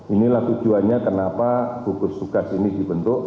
inilah tujuannya kenapa gugus tugas ini dibentuk